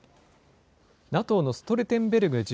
ＮＡＴＯのストルテンベルグ